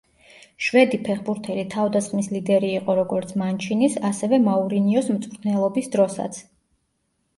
შვედი ფეხბურთელი თავდასხმის ლიდერი იყო როგორც მანჩინის, ასევე მაურინიოს მწვრთნელობის დროსაც.